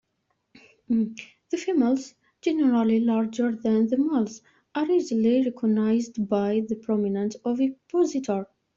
The females, generally larger than the males, are easily recognized by the prominent ovipositor.